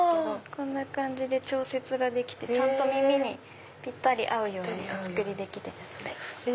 こんな感じで調節ができて耳にぴったり合うようにお作りできてるので。